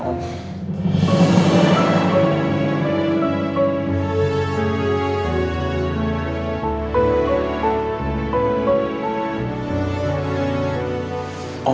kamu mau kan tinggal sama om